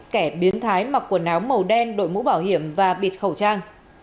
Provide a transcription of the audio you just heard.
kẻ biến thái mặc quần áo màu đen đội mũ bảo hiểm và bịt khẩu trang